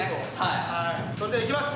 それではいきます